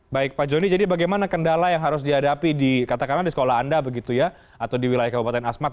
baik pak jody jadi bagaimana kendala yang harus dihadapi di sekolah anda atau di wilayah kabupaten asmat